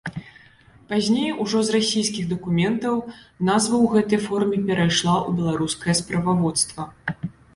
Пазней, ужо з расійскіх дакументаў, назва ў гэтай форме перайшла ў беларускае справаводства.